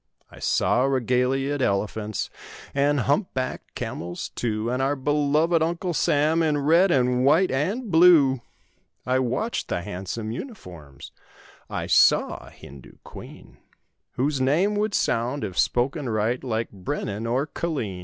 I saw regaliaed elephants And hump backed camels, too; And our beloved Uncle Sam In red and white and blue. I watched the handsome uniforms; I saw a Hindoo queen— Whose name would sound, if spoken right, Like Brennan or Killeen.